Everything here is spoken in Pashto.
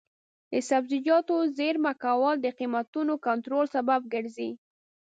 د سبزیجاتو زېرمه کول د قیمتونو کنټرول سبب ګرځي.